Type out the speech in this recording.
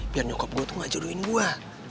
biar nyokop gue tuh gak jodohin gue